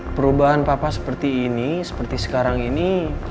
apa keadaan papa seperti ini seperti sekarang ini